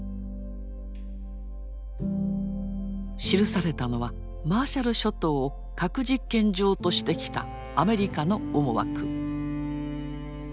記されたのはマーシャル諸島を核実験場としてきたアメリカの思惑。